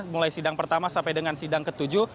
mulai sidang pertama sampai dengan sidang ketujuh